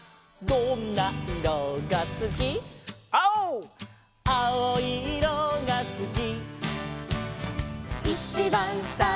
「どんないろがすき」「」「きいろいいろがすき」